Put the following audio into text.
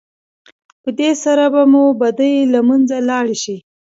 په دې سره به مو بدۍ له منځه لاړې شي.